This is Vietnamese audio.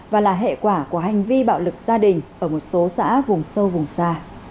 và là hệ quả của hành vi bạo lực gia đình ở một số xã vùng sâu vùng xa